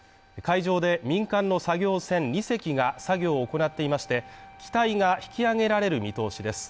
海上で民間の作業船２隻が作業を行っていまして、機体が引き揚げられる見通しです。